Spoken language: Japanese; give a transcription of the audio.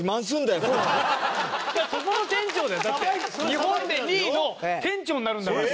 日本で２位の店長になるんだから。